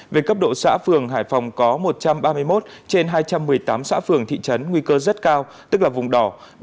về cấp độ xã phường hải phòng có một trăm ba mươi một trên hai trăm một mươi tám xã phường thị trấn nguy cơ rất cao tức là vùng đỏ